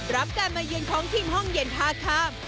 รับการมาเยือนของทีมห้องเย็นท่าข้าม